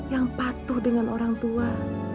yang patuh dengan orang tua